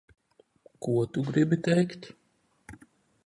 Ko tu gribi teikt?